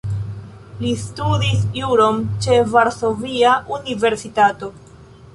Li studis juron ĉe Varsovia Universitato.